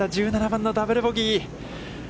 １７番のダブル・ボギー。